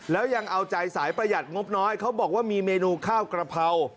แล้วยังเอาใจสายประหยัดงบน้อยเขาบอกว่ามีเมนูข้าวกระเพรา